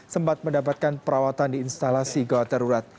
sempat mendapatkan perawatan di instalasi gawaterurat